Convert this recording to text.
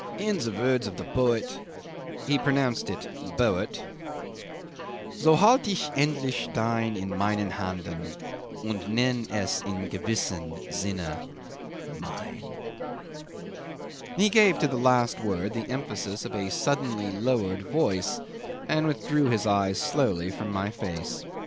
In the words of the poet" (he pronounced it "boet") "'So halt' ich's endlich denn in meinen Handen, Und nenn' es in gewissem Sinne mein.'" He gave to the last word the emphasis of a suddenly lowered voice, and withdrew his eyes slowly from my face.